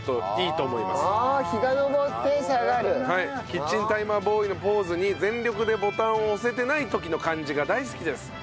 キッチンタイマーボーイのポーズに全力でボタンを押せてない時の感じが大好きです。